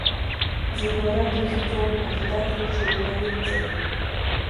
Зегь лара дрыхьӡон, афидаҭраҿы уналыдҵыр.